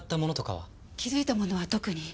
気づいたものは特に。